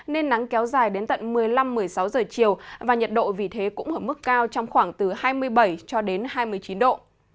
nên nắng kéo dài đến tận một mươi năm một mươi sáu giờ chiều và nhiệt độ vì thế cũng ở mức cao trong khoảng từ hai mươi bảy cho đến hai mươi chín độ